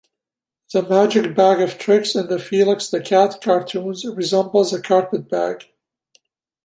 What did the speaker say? The Magic Bag of Tricks in the Felix the Cat cartoons resembles a carpetbag.